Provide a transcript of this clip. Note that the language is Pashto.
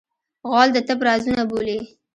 غول د طب رازونه بولي.